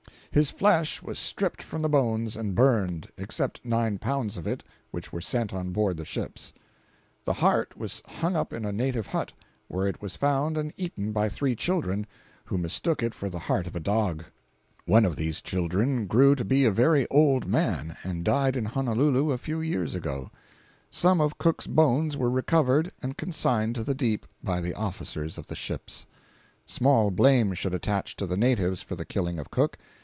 His flesh was stripped from the bones and burned (except nine pounds of it which were sent on board the ships). The heart was hung up in a native hut, where it was found and eaten by three children, who mistook it for the heart of a dog. One of these children grew to be a very old man, and died in Honolulu a few years ago. Some of Cook's bones were recovered and consigned to the deep by the officers of the ships. Small blame should attach to the natives for the killing of Cook.